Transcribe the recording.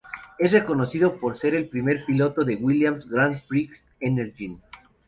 Es reconocido por ser el primer piloto de Williams Grand Prix Engineering.